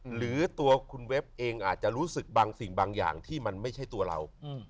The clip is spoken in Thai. หรือตัวคุณเว็บเองอาจจะรู้สึกบางสิ่งบางอย่างที่มันไม่ใช่ตัวเรา